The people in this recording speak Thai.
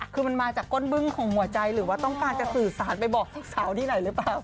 คือมันมาจากก้นบึ้งของหัวใจหรือว่าต้องการจะสื่อสารไปบอกลูกสาวที่ไหนหรือเปล่า